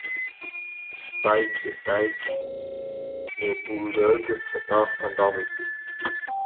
Spike et Tyke les bouledogues préparent un barbecue.